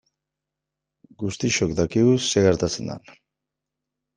Guztiok dakigu zer gertatzen den.